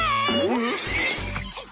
うっ！